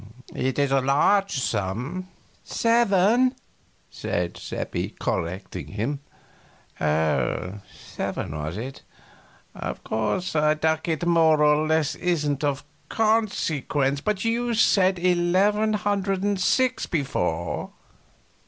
It is a large sum." "Seven," said Seppi, correcting him. "Oh, seven, was it? Of course a ducat more or less isn't of consequence, but you said eleven hundred and six before."